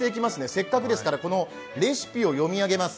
せっかくですからこのレシピを読み上げます。